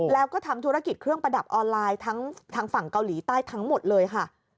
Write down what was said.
แล้วก็ทำธุรกิจเครื่องประดับออนไลน์ทั้งทางฝั่งเกาหลีใต้ทั้งหมดเลยค่ะ